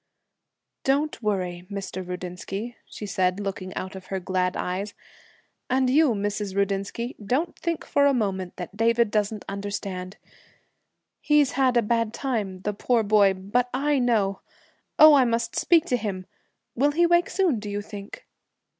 'Don't worry, Mr. Rudinsky,' she said, looking out of her glad eyes. 'And you, Mrs. Rudinsky, don't think for a moment that David doesn't understand. He's had a bad time, the poor boy, but I know Oh, I must speak to him! Will he wake soon, do you think?'